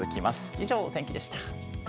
以上、お天気でした。